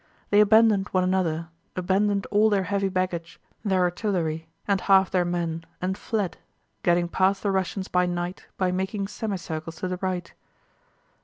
They abandoned one another, abandoned all their heavy baggage, their artillery, and half their men, and fled, getting past the Russians by night by making semicircles to the right.